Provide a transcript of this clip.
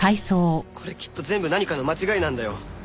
これきっと全部何かの間違いなんだよ。